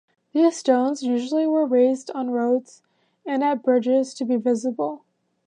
These stones usually were raised on roads and at bridges to be visible.